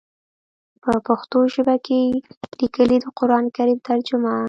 پۀ پښتو ژبه کښې ليکلی د قران کريم ترجمه